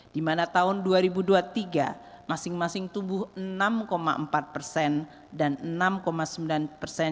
di mana tahun dua ribu dua puluh tiga masing masing tumbuh enam empat persen dan enam sembilan persen